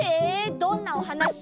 どんなおはなし？